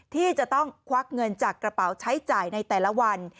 ที่จะต้องควักเงินจากกระเป๋าใช้จ่ายในแต่ละวัน